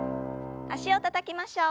脚をたたきましょう。